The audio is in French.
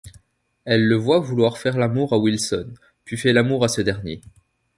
Elle le voit vouloir faire l'amour à Wilson puis fait l'amour à ce dernier.